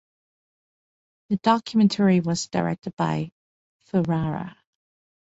The documentary was directed by Ferrara.